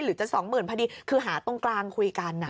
หรือจะ๒๐๐๐พอดีคือหาตรงกลางคุยกัน